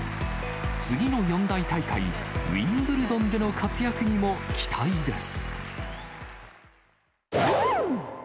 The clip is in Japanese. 次の四大大会、ウィンブルドンでの活躍にも期待です。